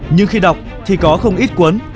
nhưng khi đọc thì có không ít cuốn